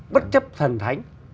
bất chấp thần thánh